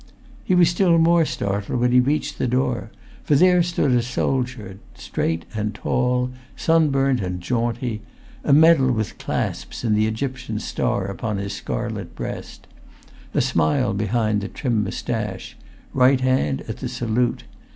He was still more startled when he reached the door, for there stood a soldier straight and tall, sunburnt and jaunty; a medal with clasps and the Egyptian star upon his scarlet breast; a smile behind the trim moustache; right hand at the salute.